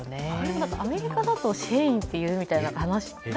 アメリカだとシェインっていうみたいな話。